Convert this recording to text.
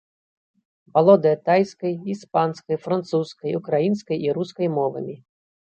Валодае тайскай, іспанскай, французскай, украінскай і рускай мовамі.